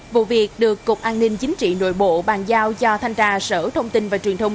vụ việc được cục an ninh chính trị nội bộ bàn giao cho thanh tra sở thông tin và truyền thông